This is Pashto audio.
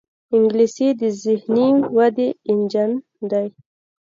انګلیسي د ذهني ودې انجن دی